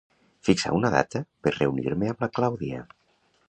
Fixar una data per reunir-me amb la Clàudia.